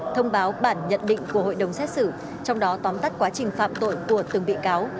thông báo bản nhận định của hội đồng xét xử trong đó tóm tắt quá trình phạm tội của từng bị cáo